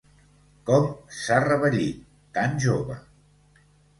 Com s'ha revellit, tan jove!